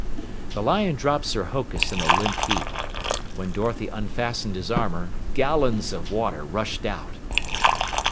The Lion dropped Sir Hokus in a limp heap. When Dorothy unfastened his armor, gallons of water rushed out.